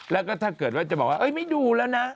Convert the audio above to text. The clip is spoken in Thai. แล้วก็ถ้าเกิดว่าจะบอกว่าไม่ดูแล้วนะ